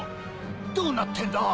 どうなってんだ